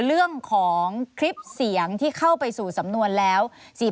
เรื่องของคลิปเสียงที่เข้าไปสู่สำนวนแล้ว